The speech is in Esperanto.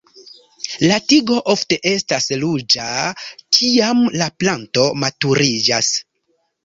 La tigo ofte estas ruĝa kiam la planto maturiĝas.